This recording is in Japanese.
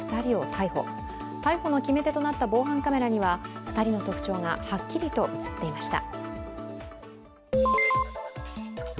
逮捕の決め手となった防犯カメラには、２人の特徴がはっきりと映っていました。